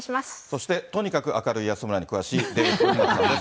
そして、とにかく明るい安村に詳しい、デーブ・スペクターさんです。